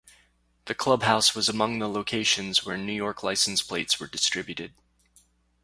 The clubhouse was among the locations where New York license plates were distributed.